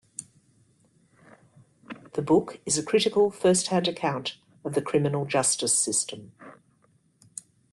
The book is a critical first hand account of the criminal justice system.